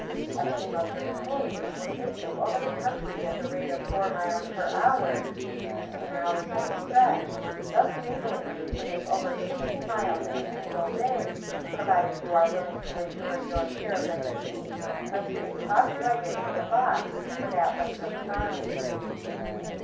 A team of good coolies will take you over the country at the rate of four miles per hour, sixteen hours at a stretch, thus enabling you to make over 60 miles in a single day, provided you are willing to endure your share of the fatigue by sitting cross legged in the box for that length of time.